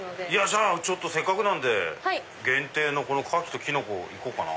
じゃあせっかくなんで限定の牡蠣とキノコをいこうかな。